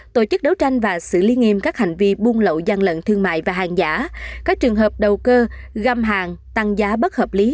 tổ chức đấu tranh và xử lý nghiêm các hành vi buôn lậu gian lận thương mại và hàng giả các trường hợp đầu cơ găm hàng tăng giá bất hợp lý